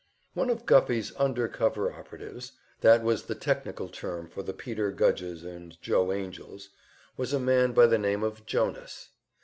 One of Guffey's "under cover operatives" that was the technical term for the Peter Gudges and Joe Angells was a man by the name of Jonas.